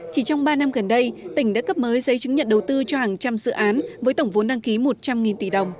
chỉ trong ba năm gần đây tỉnh đã cấp mới giấy chứng nhận đầu tư cho hàng trăm dự án với tổng vốn đăng ký một trăm linh tỷ đồng